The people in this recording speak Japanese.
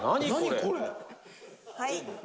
「はい」